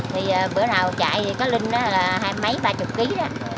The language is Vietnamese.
thì bữa nào chạy thì có linh đó là hai mấy ba chục ký đó